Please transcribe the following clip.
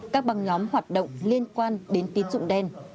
các băng nhóm hoạt động liên quan đến tín dụng đen